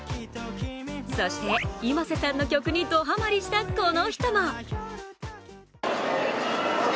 そして、ｉｍａｓｅさんの曲にどハマリしたこの人も。